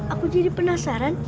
aku jadi penasaran